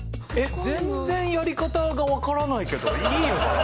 全然やり方がわからないけどいいのかな？